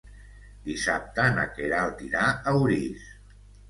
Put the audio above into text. Dissabte na Queralt irà a Orís.